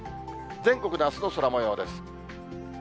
全国のあすの空もようです。